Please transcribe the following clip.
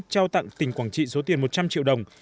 trao tặng tỉnh quảng trị số tiền một trăm linh triệu đồng